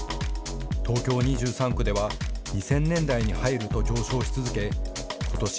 東京２３区では２０００年代に入ると上昇し続けことし